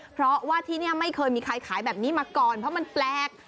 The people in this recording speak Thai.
เพราะว่าที่นี่ไม่เคยมีใครขายแบบนี้มาก่อนเพราะมันแปลก